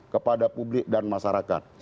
kepada publik dan masyarakat